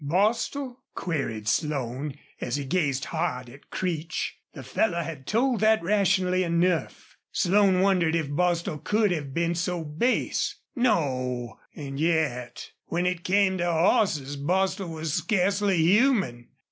"Bostil?" queried Slone, as he gazed hard at Creech. The fellow had told that rationally enough. Slone wondered if Bostil could have been so base. No! and yet when it came to horses Bostil was scarcely human.